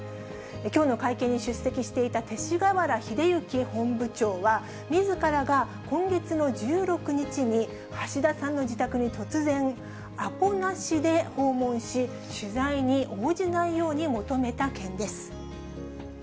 きょうの会見に出席していた勅使河原秀行本部長は、みずからが今月の１６日に、橋田さんの自宅に突然、アポなしで訪問し、取材に応じないように求めた件です。